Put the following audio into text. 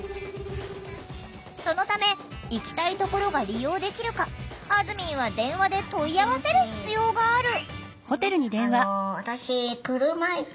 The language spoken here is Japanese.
そのため行きたいところが利用できるかあずみんは電話で問い合わせる必要がある！